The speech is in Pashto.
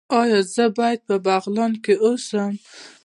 ایا زه باید په بغلان کې اوسم؟